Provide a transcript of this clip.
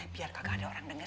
biar kagak ada orang denger